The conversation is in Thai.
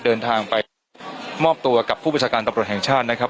เดินทางไปมอบตัวกับผู้ประชาการตำรวจแห่งชาตินะครับ